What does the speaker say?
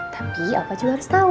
tapi opa juga harus tau